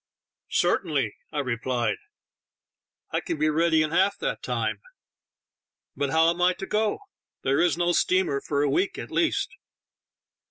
"Certainly," I replied; "I can be ready in half that time. But how am I to go ? There is no steamer for a week at least."